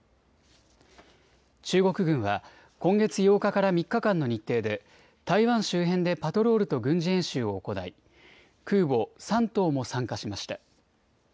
中国軍は今月８日から３日間の日程で台湾周辺でパトロールと軍事演習を行い空母、山東も参加しました。